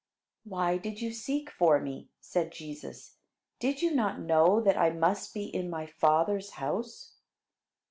"Why did you seek for me," said Jesus. "Did you not know that I must be in my Father's house?"